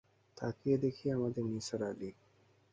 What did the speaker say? তাকিয়ে দেখি আমাদের নিসার আলি।